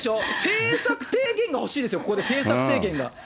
政策提言が欲しいですよ、ここで、政策提言が。